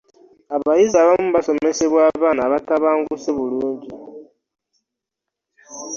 abayizi abamu basomesebwa abaana abatabanguse bulungi mu k